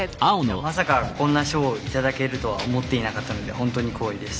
まさかこんな賞を頂けるとは思っていなかったのでホントに光栄です。